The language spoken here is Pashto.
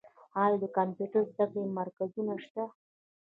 آیا د کمپیوټر زده کړې مرکزونه شته؟